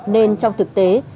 nên trong thực tế